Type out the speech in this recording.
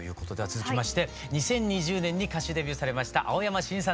続きまして２０２０年に歌手デビューされました青山新さんです。